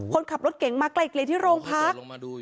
คนขับรถเก่งมาไกลที่โรงพัก